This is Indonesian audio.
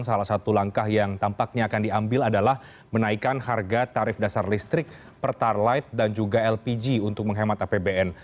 salah satu langkah yang tampaknya akan diambil adalah menaikkan harga tarif dasar listrik pertalite dan juga lpg untuk menghemat apbn